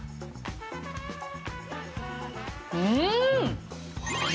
うん！